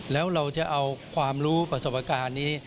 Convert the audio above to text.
แล้วเราจะเอาความรู้ประสบการณ์นี้